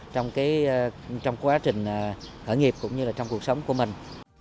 trong quá trình khởi nghiệp cũng như là trong cuộc sống của mình